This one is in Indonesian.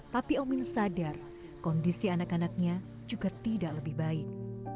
tapi omin sadar kondisi anak anaknya juga tidak lebih baik